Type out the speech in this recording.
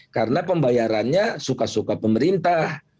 karena pembayarannya suka suka pemerintah